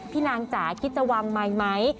นางจ๋าคิดจะวางไมค์ไหม